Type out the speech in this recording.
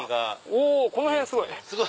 おこの辺すごい！